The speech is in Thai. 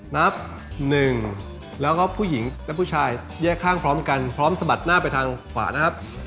นับหนึ่งแล้วก็ผู้หญิงและผู้ชายแยกข้างพร้อมกันพร้อมสะบัดหน้าไปทางขวานะครับ